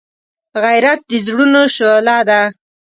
غیرت د زړونو شعله ده